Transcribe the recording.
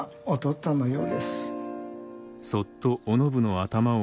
っつぁんのようです。